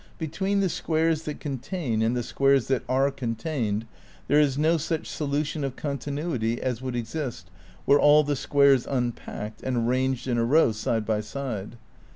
Between the squares that contain and the squares that are con tained there is no such solution of continuity as would exist were all the squares unpacked and ranged in a row side by side.